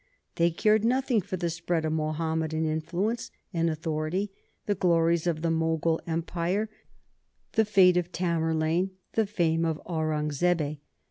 They cared nothing for the spread of Mahommedan influence and authority, the glories of the Mogul Empire, the fate of Tamerlane, the fame of Aurungzebe.